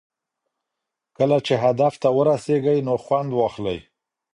کله چې هدف ته ورسېږئ نو خوند واخلئ.